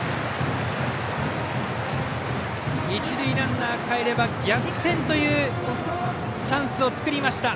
一塁ランナーかえれば逆転というチャンスを作りました。